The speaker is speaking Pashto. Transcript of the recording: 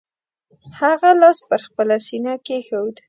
هغه لاس پر خپله سینه کېښود.